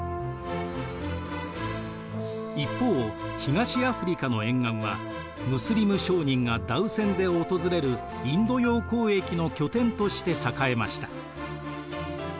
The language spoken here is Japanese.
一方東アフリカの沿岸はムスリム商人がダウ船で訪れるインド洋交易の拠点として栄えました。